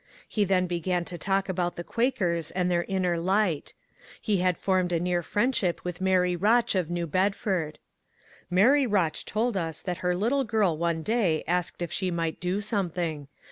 He then began to talk about the Quakers and their inner light He had formed a near friendship with Mary Botch of New Bedford. *^ Mary Rotch told us that her little girl one day asked if she might do something.